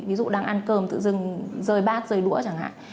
ví dụ đang ăn cơm tự dưng rơi bát rơi đũa chẳng hạn